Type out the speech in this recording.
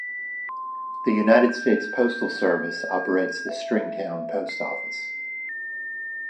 The United States Postal Service operates the Stringtown Post Office.